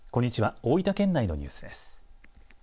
大分県内のニュースです。